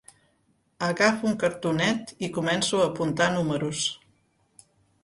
Agafo un cartonet i començo a apuntar números.